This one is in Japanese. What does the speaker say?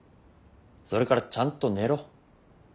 それからちゃんと寝ろ。